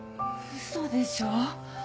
嘘でしょ。